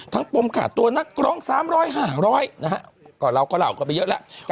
ทั้งปมขาดตัวนักร้องสามร้อยห้าร้อยนะฮะก็เราก็เหล่าก็ไปเยอะแล้ว